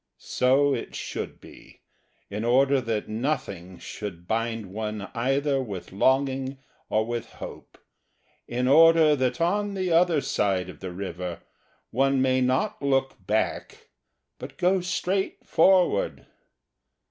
So it should be, in order that nothing should bind one either with longing or with hope, in order that on the other side of the river one may not look back but go straight forward.